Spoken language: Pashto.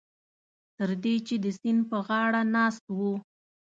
تر دې چې د سیند په غاړه ناست وو.